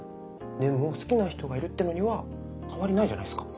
でも好きな人がいるってのには変わりないじゃないっすか。